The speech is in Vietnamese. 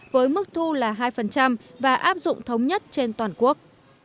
với mức thu là hai và áp dụng thống nhất trên toàn quốc